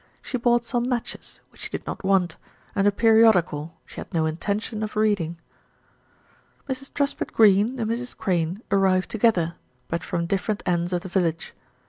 She bought some matches, which she did not want, and a periodical she had no intention of reading. Mrs. Truspitt Greene and Mrs. Crane arrived to gether; but from different ends of the village.